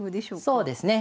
そうですね。